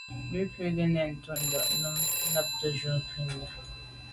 Bwɔ́ŋkə́’ cɛ̌d nɛ̂n tûʼndá á nǔm nə̀ nàptə̌ jùp kghûndá.